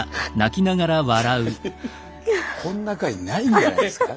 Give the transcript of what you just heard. こんな回ないんじゃないですか？